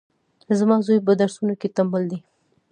زما زوی پهدرسونو کي ټمبل دی